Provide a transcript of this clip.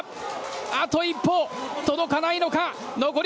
あと一歩届かないのか？